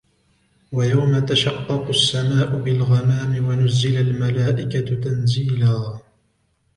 وَيَوْمَ تَشَقَّقُ السَّمَاءُ بِالْغَمَامِ وَنُزِّلَ الْمَلَائِكَةُ تَنْزِيلًا